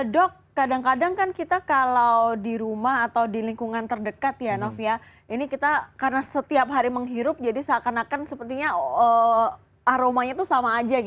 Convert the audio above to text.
dok kadang kadang kan kita kalau di rumah atau di lingkungan terdekat ya novia ini kita karena setiap hari menghirup jadi seakan akan sepertinya aromanya itu sama aja